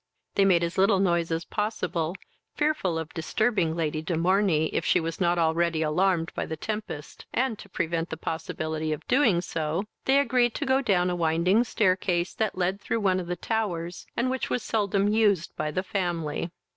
They made as little noise as possible, fearful of disturbing Lady de Morney, if she was not already alarmed by the tempest; and, to prevent the possibility of doing so, they agreed to go down a winding staircase that led through one of the towers, and which was seldom used by the family.